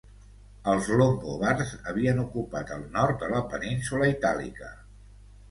Els longobards havien ocupat el nord de la península Itàlica.